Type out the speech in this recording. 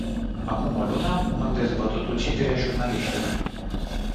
Acum o lună, am dezbătut uciderea jurnaliștilor.